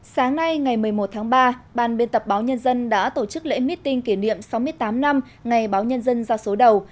sáng nay ngày một mươi một tháng ba ban biên tập báo nhân dân đã tổ chức lễ meeting kỷ niệm sáu mươi tám năm ngày báo nhân dân ra số đầu